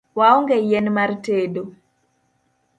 Waonge yien mar tedo